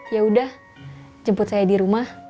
yaudah jemput saya di rumah